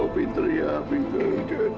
pinter ya pinter